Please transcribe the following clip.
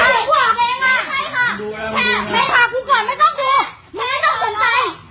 ช่วยด้วยค่ะส่วนสุด